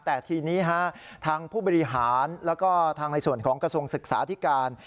แต่ทีนี้ฮะทางผู้บริหารแล้วก็ทางในส่วนของกระทรวงศึกษาธิการ